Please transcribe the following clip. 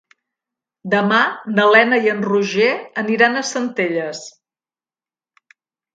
Demà na Lena i en Roger aniran a Centelles.